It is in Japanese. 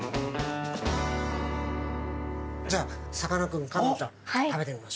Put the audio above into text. じゃあさかなクン香音ちゃん食べてみましょう。